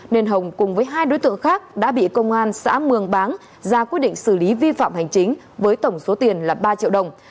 nên hồng cùng với hai đối tượng khác đã bị công an xã mường báng ra quyết định xử lý vi phạm hành chính với tổng số tiền là ba triệu đồng